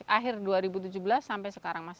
akhir dua ribu tujuh belas sampai sekarang mas